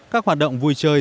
các hoạt động vui chơi